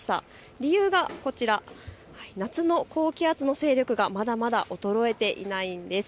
理由がこちら、夏の高気圧の勢力、まだまだ衰えていないんです。